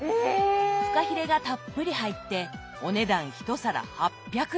フカヒレがたっぷり入ってお値段１皿８００円！